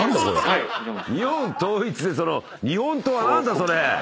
「日本統一」とその日本刀は何だ⁉それ！